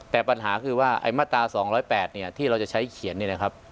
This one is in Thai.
แต่ปัญหาคือว่าไอ้มาตรา๒๐๘เนี่ยที่เราจะใช้เขียนนี่นะครับ